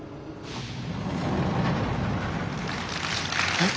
えっ？